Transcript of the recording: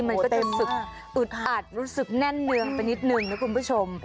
มันก็จะรู้สึกอึดอัดรู้สึกแน่นเนืองไปนิดนึงนะคุณผู้ชม